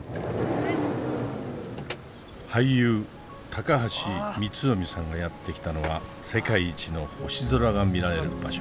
俳優高橋光臣さんがやって来たのは世界一の星空が見られる場所。